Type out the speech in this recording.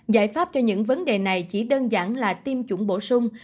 giải pháp cho những vấn đề này chỉ đơn giản là tiêm chủng bổ sung